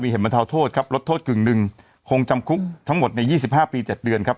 เห็นบรรเทาโทษครับลดโทษกึ่งหนึ่งคงจำคุกทั้งหมดใน๒๕ปี๗เดือนครับ